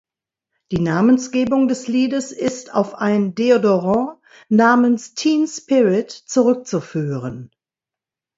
Die Namensgebung des Liedes ist auf ein Deodorant namens "Teen Spirit" zurückzuführen.